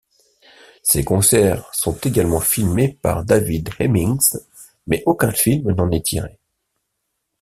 Ces concerts sont également filmés par David Hemmings, mais aucun film n'en est tiré.